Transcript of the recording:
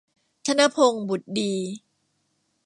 ธนพงษ์ บุตรดี